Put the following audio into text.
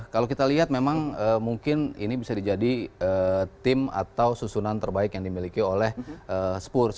kalau kita lihat memang mungkin ini bisa dijadi tim atau susunan terbaik yang dimiliki oleh spurs